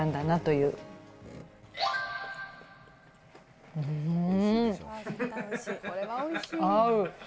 うーん！合う！